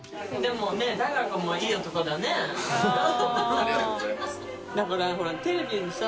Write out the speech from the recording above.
ありがとうございます。